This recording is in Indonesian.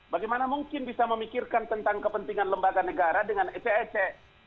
bagaimana mungkin bisa memikirkan tentang kepentingan lembaga negara dengan ecek ecek